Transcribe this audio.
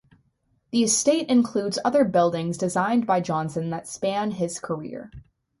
The estate includes other buildings designed by Johnson that span his career.